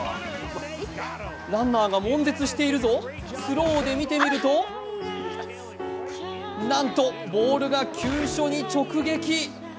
ランナーがもん絶しているぞ、スローで見てみると、なんとボールが急所に直撃。